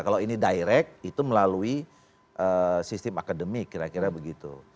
kalau ini direct itu melalui sistem akademik kira kira begitu